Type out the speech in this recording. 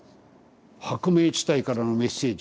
「薄明地帯からのメッセージ」